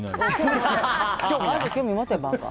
興味持てよ、バカ。